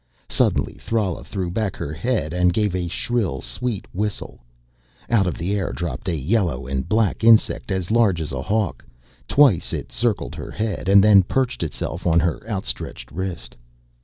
Suddenly Thrala threw back her head and gave a shrill, sweet whistle. Out of the air dropped a yellow and black insect, as large as a hawk. Twice it circled her head and then perched itself on her outstretched wrist.